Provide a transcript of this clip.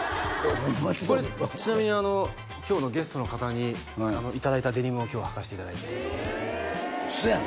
これちなみに今日のゲストの方にいただいたデニムを今日はかしていただいて嘘やん？